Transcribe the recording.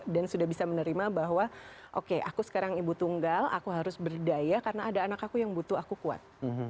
dan sudah bisa menerima bahwa oke aku sekarang ibu tunggal aku harus berdaya karena ada anak aku yang butuh aku kuat